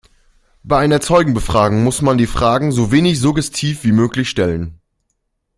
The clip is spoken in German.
Bei einer Zeugenbefragung muss man die Fragen so wenig suggestiv wie möglich stellen.